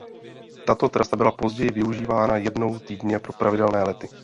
Tato trasa byla později využívaná jednou týdně pro pravidelné lety.